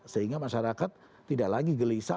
sehingga masyarakat tidak lagi gelisah